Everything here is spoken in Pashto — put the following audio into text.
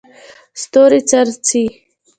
ستوري څرڅي.